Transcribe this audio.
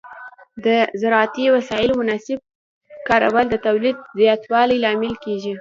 د زراعتي وسایلو مناسب کارول د تولید زیاتوالي لامل کېږي.